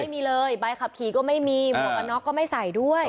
แบบคับขี่ไม่ได้หัวหนอกไม่ใส่ด้วย